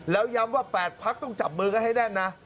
แล้วย้ำว่า๘พักต้องจับมือกันให้แน่นนะ